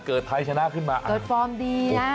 ไทยชนะขึ้นมาเกิดฟอร์มดีนะ